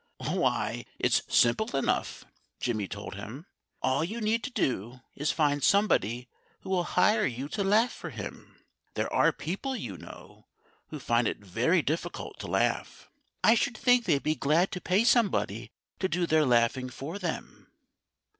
"Why it's simple enough!" Jimmy told him. "All you need do is to find somebody who will hire you to laugh for him. There are people, you know, who find it very difficult to laugh. I should think they'd be glad to pay somebody to do their laughing for them."